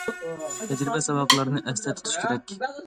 تەجرىبە- ساۋاقلارنى ئەستە تۇتۇش كېرەك.